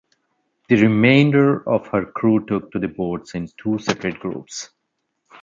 The remainder of her crew took to the boats in two separate groups.